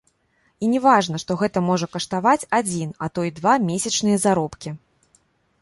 І не важна, што гэта можа каштаваць адзін, а то і два месячныя заробкі.